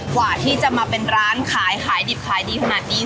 กว่าที่จะมาเป็นร้านขายขายดิบขายดีขนาดนี้